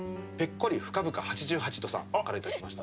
こり深々８８°さんから頂きました。